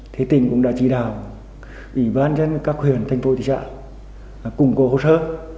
thì tỉnh cũng đã chỉ đào ủy ban dân các huyền thành phố thị trạng củng cố hỗ trợ